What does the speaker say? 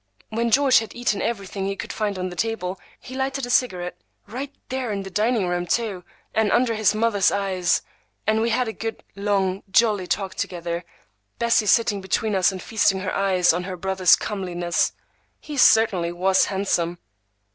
When George had eaten everything he could find on the table, he lighted a cigarette,—right there in the dining room, too, and under his mother's eyes,—and we had a good, long, jolly talk together, Bessie sitting between us and feasting her eyes on her brother's comeliness. He certainly was handsome.